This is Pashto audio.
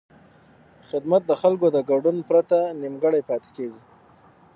خدمت د خلکو د ګډون پرته نیمګړی پاتې کېږي.